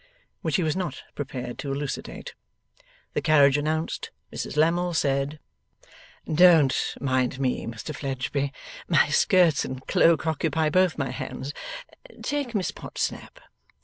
Which he was not prepared to elucidate. The carriage announced, Mrs Lammle said; 'Don't mind me, Mr Fledgeby, my skirts and cloak occupy both my hands, take Miss Podsnap.